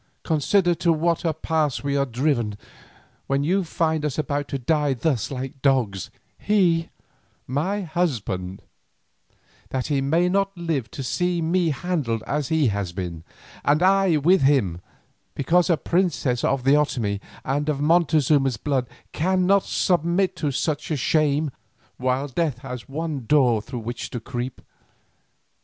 Consider to what a pass we are driven when you find us about to die thus like dogs, he, my husband, that he may not live to see me handled as he has been, and I with him, because a princess of the Otomie and of Montezuma's blood cannot submit to such a shame while death has one door through which to creep.